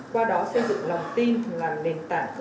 qua đó xây dựng lòng tin làm nền tảng